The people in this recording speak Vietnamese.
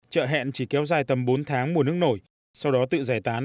chợ hẹn chỉ kéo dài tầm bốn tháng mùa nước nổi sau đó tự giải tán